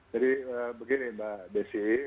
jadi begini mbak desi